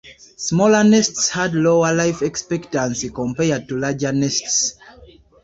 Smaller nests had lower life expectancy compared to larger nests.